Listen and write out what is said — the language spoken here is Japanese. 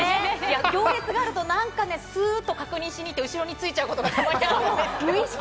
行列があると、何かスっと確認しに行って、後ろについちゃうことがたまにあるんですけれども。